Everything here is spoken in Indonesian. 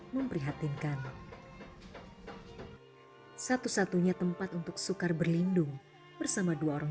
memprihatinkan satu satunya tempat untuk sukar berlindung bersama dua orang